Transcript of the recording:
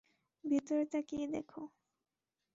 ভেতরে তাকিয়ে দ্যাখো।